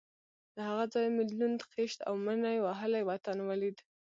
له هغه ځایه مې لوند، خېشت او مني وهلی وطن ولید.